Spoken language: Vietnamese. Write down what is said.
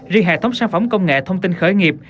riêng hệ thống sản phẩm công nghệ thông tin khởi nghiệp